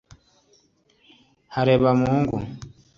Harebamungu